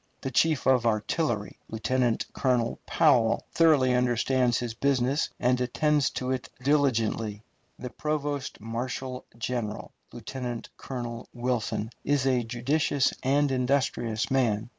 The chief of artillery, Lieutenant Colonel Powell, thoroughly understands his business, and attends to it diligently. The provost marshal general, Lieutenant Colonel Wilson, is a judicious and industrious man.